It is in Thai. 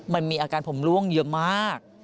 มันมีอาการผมร่วงเยอะมาก